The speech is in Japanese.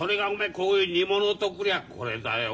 こういう煮物とくりゃこれだよ。